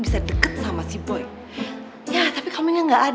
oh gak tau